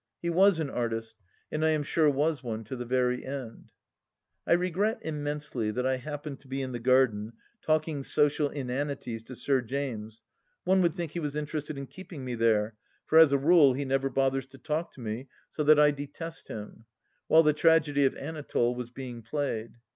He was an artist, and I am sure was one to the very end. I regret immensely that I happened to be in the garden, talking social inanities to Sir James — one would think he was interested in keeping me there, for as a rule he never bothers to talk to me, so that I detest him — ^while the tragedy of Anatole was being played.